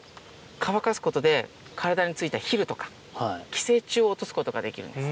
乾かすことで体に付いたヒルとか寄生虫を落とすことができるんです。